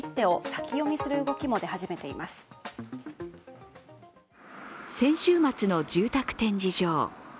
先週末の住宅展示場。